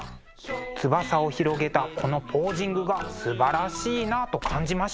翼を広げたこのポージングがすばらしいなと感じました。